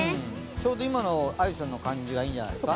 ちょうど今のあゆさんの感じがいいんじゃないですか。